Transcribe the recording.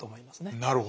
なるほど。